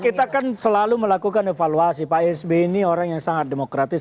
kita kan selalu melakukan evaluasi pak sby ini orang yang sangat demokratis